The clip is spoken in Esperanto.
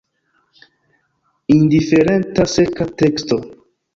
Indiferenta, seka teksto!